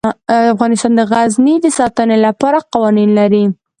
افغانستان د غزني د ساتنې لپاره قوانین لري.